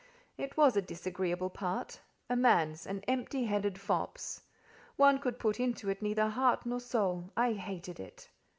It was a disagreeable part—a man's—an empty headed fop's. One could put into it neither heart nor soul: I hated it.